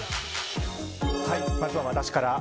はい、まずは私から。